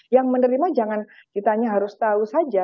yang menerima jangan kitanya harus tahu saja